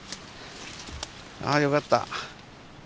あよかった。